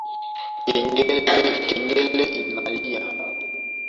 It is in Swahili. Kengele inalia